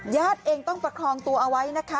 ญาติเองต้องประคองตัวเอาไว้นะคะ